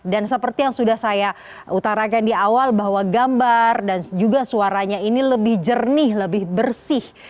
dan seperti yang sudah saya utarakan di awal bahwa gambar dan juga suaranya ini lebih jernih lebih bersih